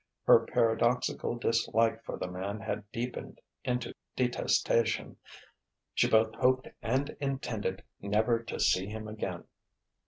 Her paradoxical dislike for the man had deepened into detestation. She both hoped and intended never to see him again.